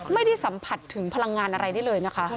ไม่ได้สัมผัสถึงพลังงานอะไรได้เลยนะคะ